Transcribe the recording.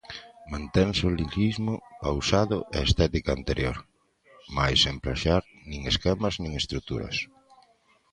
Mantense o lirismo pausado e estética anterior, mais sen plaxiar nin esquemas nin estruturas.